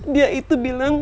dia itu bilang